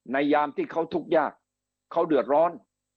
ยามที่เขาทุกข์ยากเขาเดือดร้อน